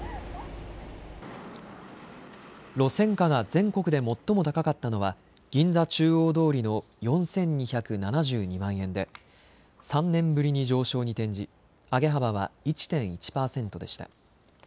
路線価が全国で最も高かったのは銀座中央通りの４２７２万円で３年ぶりに上昇に転じ上げ幅は１．１％でした。